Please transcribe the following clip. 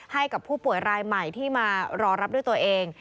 ให้กับผู้ป่วยรายใหม่ที่มารอรับด้วยตัวเอง